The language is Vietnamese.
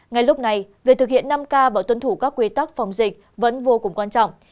ngay lúc này việc thực hiện năm k và tuân thủ các quy tắc phòng dịch vẫn vô cùng quan trọng